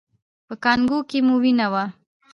په کانګو کې مو وینه وه؟